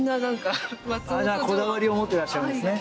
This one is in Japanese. こだわりを持ってらっしゃるんですね